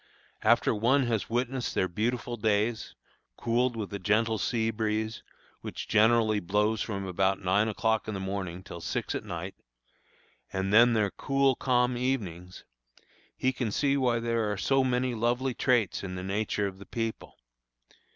After one has witnessed their beautiful days, cooled with a gentle sea breeze, which generally blows from about nine o'clock in the morning till six at night, and then their cool, calm evenings, he can see why there are so many lovely traits in the nature of the people.